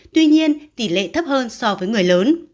tuy nhiên tỷ lệ thấp hơn so với người lớn